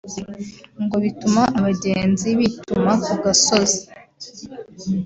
ngo bituma abagenzi bituma ku gasozi